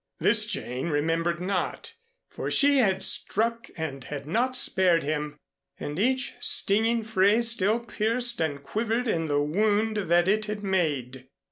This Jane remembered not; for she had struck and had not spared him, and each stinging phrase still pierced and quivered in the wound that it had made.